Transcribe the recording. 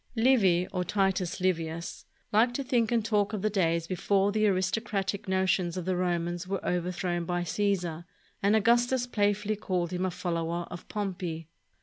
Livy, or Titus Livius, liked to think and talk of the days before the aristocratic notions of the Romans were overthrown by Caesar, and Augustus playfully called him a follower of Pompey.